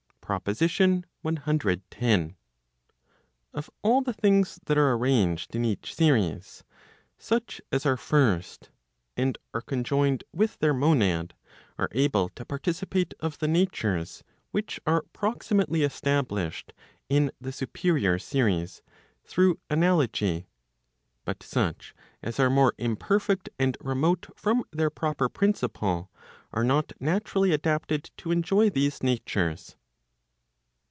PROPOSITION CX. ,• Of all the things that are arranged in each series, such as are first, and are conjoined with their monad, are able to participate of the natures which are proximately established in the superior series, through analogy. But such as are more imperfect and remote from their proper principle, are not naturally adapted to enjoy these natures.